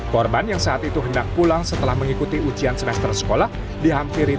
korban yang saat itu hendak pulang setelah mengikuti ujian semester sekolah dihampiri